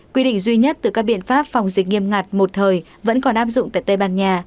quy định duy nhất từ các biện pháp phòng dịch nghiêm ngặt một thời vẫn còn áp dụng tại tây ban nha